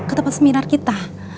ke tempat seminar kita